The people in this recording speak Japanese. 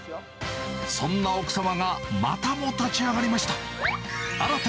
そんな奥様がまたも立ち上がりました。